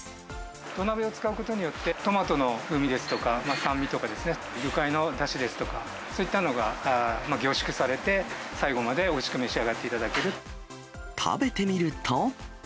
土鍋を使うことによって、トマトの風味ですとか、酸味とかですね、魚介のだしですとか、そういったのが凝縮されて、最後までおいしく召し上がってい食べてみると。